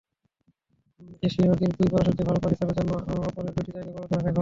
এশীয় হকির দুই পরাশক্তি ভারত-পাকিস্তানের জন্য ওপরের দুটি জায়গা বরাদ্দ রাখাই ভালো।